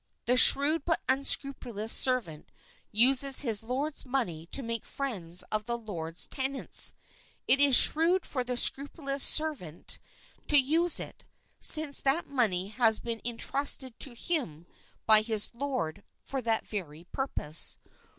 The shrewd but unscrupulous servant uses his lord's money to make friends of his lord's H . tenants : it is shrewd for the scrupulous servant *1 r i : INTRODUCTION MXUr* so to use it, since that money has been intrusted to him by his Lord for that very purpose.